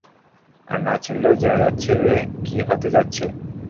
আর না চিনলেও, জেনে যাচ্ছে যে, কী হতে যাচ্ছে!